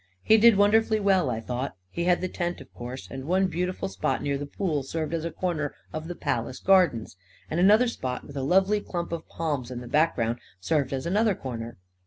He did wonderfully well, I thought. He had the tent, of course ; and one beautiful spot near the pool served as a corner of the palace gardens; and an other spot with a lovely clump of palms in the back ground served as another corner.